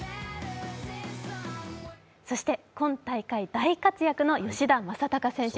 そして今大会大活躍の吉田正尚選手。